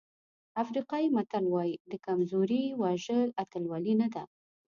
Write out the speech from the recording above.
افریقایي متل وایي د کمزوري وژل اتلولي نه ده.